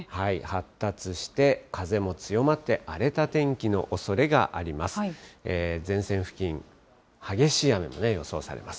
発達して、風も強まって、荒れた天気のおそれがあります。